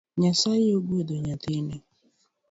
Nyasaye ogwedhi nyathina